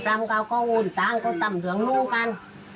เต็มหัวตามกับเบสได้ไหม